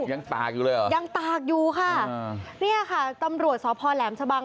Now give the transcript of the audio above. ตากอยู่เลยเหรอยังตากอยู่ค่ะอ่าเนี่ยค่ะตำรวจสพแหลมชะบัง